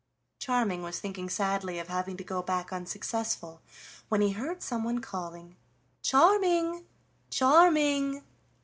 Charming was thinking sadly of having to go back unsuccessful when he heard someone calling: "Charming, Charming!"